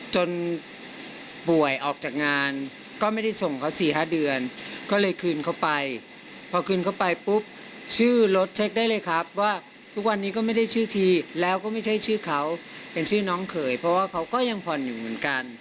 จนป่วยออกจากงานก็ไม่ได้ส่งเขา๔๕เดือนก็เลยคืนเขาไปพอคืนเข้าไปปุ๊บชื่อรถเช็คได้เลยครับว่าทุกวันนี้ก็ไม่ได้ชื่อทีแล้วก็ไม่ใช่ชื่อเขาเป็นชื่อน้องเขยเพราะว่าเขาก็ยังผ่อนอยู่เหมือนกัน